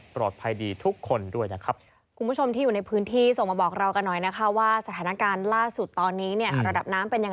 ปลอดภัยดีทุกคนด้วยนะครับ